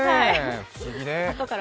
不思議ね。